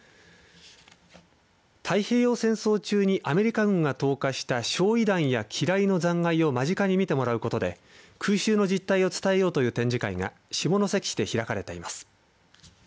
太平洋戦争中にアメリカ軍が投下した焼い弾や機雷の残骸を間近に見てもらうことで空襲の実態を伝えようという展示会が下関市で開かれています。